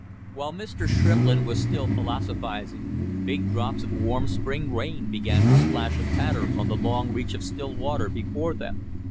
While Mr. Shrimplin was still philosophizing big drops of warm spring rain began to splash and patter on the long reach of still water before them.